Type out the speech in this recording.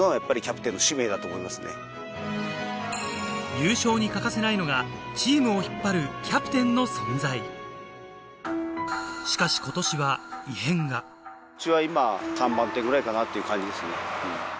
優勝に欠かせないのがチームを引っ張るキャプテンの存在しかし今年は異変がっていう感じですね。